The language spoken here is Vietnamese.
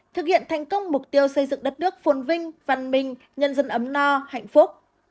thực hiện thành công mục tiêu xây dựng đất nước phồn vinh văn minh nhân dân ấm no hạnh phúc